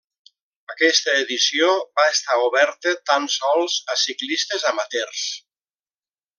Aquesta edició va estar oberta tan sols a ciclistes amateurs.